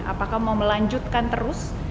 apakah mau melanjutkan terus